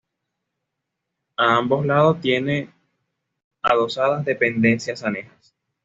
A ambos lados tiene adosadas dependencias anejas.